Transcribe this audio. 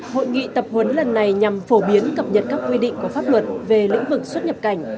hội nghị tập huấn lần này nhằm phổ biến cập nhật các quy định của pháp luật về lĩnh vực xuất nhập cảnh